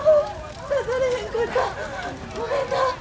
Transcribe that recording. ごめんな。